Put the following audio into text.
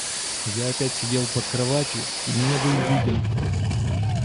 Я опять сидел под кроватью и не был виден.